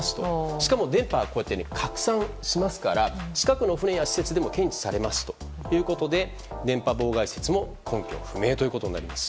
しかも電波は拡散しますから近くの船や施設でも検知されますということで電波妨害説も根拠不明ということになります。